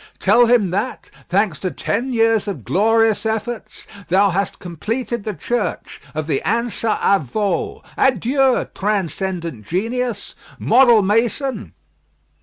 Tell him that, thanks to ten years of glorious efforts, thou hast completed the church of the Ansa à Veau. Adieu! transcendent genius, model mason!"